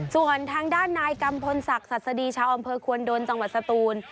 ส่วนทางด้านนายกัมพลศักดิ์สัสดีชาวอำเภอควนโดนจังหวัดสตูน